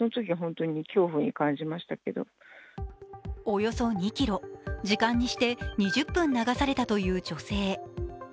およそ２ｋｍ、時間にして２０分流されたという女性。